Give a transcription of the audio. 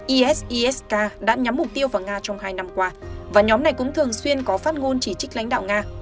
isisk đã nhắm mục tiêu vào nga trong hai năm qua và nhóm này cũng thường xuyên có phát ngôn chỉ trích lãnh đạo nga